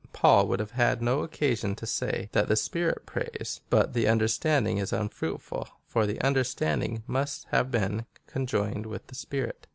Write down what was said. Paul would have had no occasion to say, that the spirit prays, but the understanding is unfruitful, for the under standing must have been conjoined with the spirit.